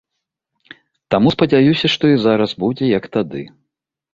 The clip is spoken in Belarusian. Таму спадзяюся, што і зараз будзе як тады.